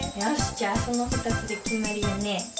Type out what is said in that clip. じゃあそのふたつできまりだね。